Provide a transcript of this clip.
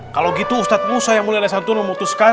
kalau gitu ustad musa yang mulia desa antun memutuskan